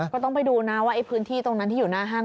ก็ต้องไปดูนะว่าพื้นที่ตรงนั้นที่อยู่หน้าห้าง